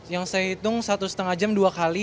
yang saya hitung satu setengah jam dua kali